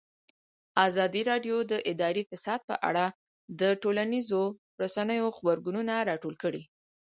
ازادي راډیو د اداري فساد په اړه د ټولنیزو رسنیو غبرګونونه راټول کړي.